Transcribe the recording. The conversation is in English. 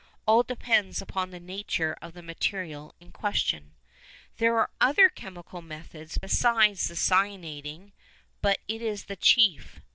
All depends upon the nature of the material in question. There are other chemical methods besides the cyaniding, but it is the chief.